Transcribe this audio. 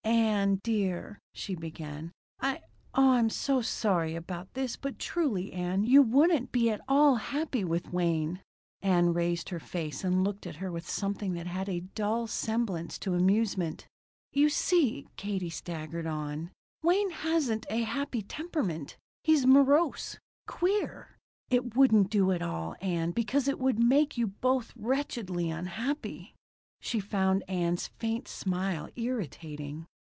"Ann dear," she began, "I oh I'm so sorry about this. But truly, Ann, you wouldn't be at all happy with Wayne." Ann raised her face and looked at her with something that had a dull semblance to amusement. "You see," Katie staggered on, "Wayne hasn't a happy temperament. He's morose. Queer. It wouldn't do at all, Ann, because it would make you both wretchedly unhappy." She found Ann's faint smile irritating.